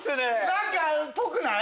何かぽくない？